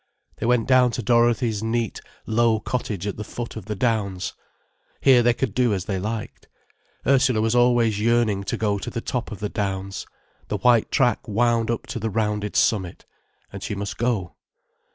They went down to Dorothy's neat, low cottage at the foot of the downs. Here they could do as they liked. Ursula was always yearning to go to the top of the downs. The white track wound up to the rounded summit. And she must go.